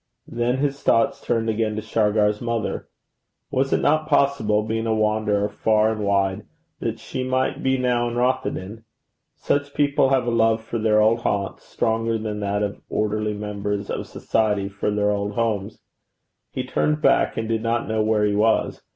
Then his thoughts turned again to Shargar's mother! Was it not possible, being a wanderer far and wide, that she might be now in Rothieden? Such people have a love for their old haunts, stronger than that of orderly members of society for their old homes. He turned back, and did not know where he was.